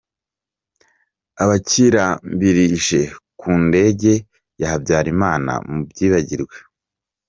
Abakirambirije ku ndege ya Habyarimana, mubyibagirwe.